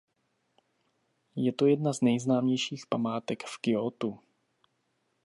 Je to jedna z nejznámějších památek v Kjótu.